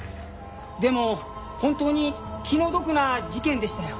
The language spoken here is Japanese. でも本当に気の毒な事件でしたよ。